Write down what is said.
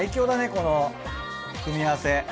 この組み合わせ。